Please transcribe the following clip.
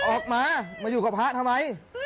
ออกมามาอยู่กับพระทำไม